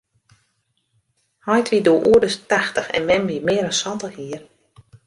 Heit wie doe oer de tachtich en mem mear as santich jier.